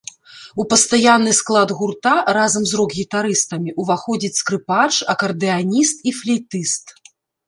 У пастаянны склад гурта, разам з рок-гітарыстамі, уваходзіць скрыпач, акардэаніст і флейтыст.